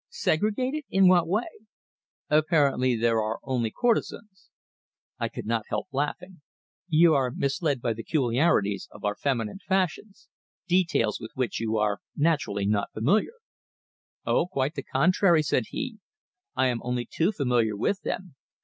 "Segregated? In what way?" "Apparently there are only courtesans." I could not help laughing. "You are misled by the peculiarities of our feminine fashions details with which you are naturally not familiar " "Oh, quite the contrary," said he, "I am only too familiar with them.